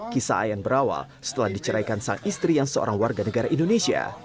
kisah ayan berawal setelah diceraikan sang istri yang seorang warga negara indonesia